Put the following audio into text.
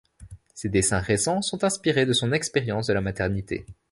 Ses dessins récents sont inspirés de son expérience de la maternité.